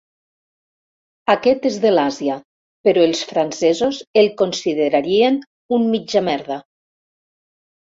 Aquest és de l'Àsia, però els francesos el considerarien un mitjamerda.